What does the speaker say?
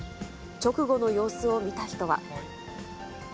直後の様子を見た人は。